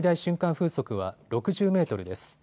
風速は６０メートルです。